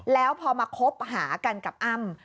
แล้วพอมาคบหากันกับอ้ำ